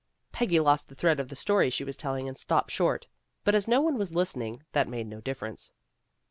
Peggy lost the thread of the story she was telling and stopped short, but as no one was listening, that made no difference.